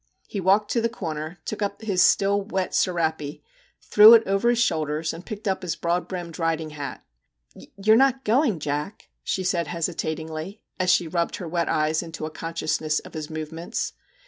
He walked to the corner, took up his still wet serape, threw it over his shoulders, and picked up his broad brimmed riding hat. 'You're not going, Jack?' she said hesi tatingly, as she rubbed her wet eyes into a consciousness of his movements.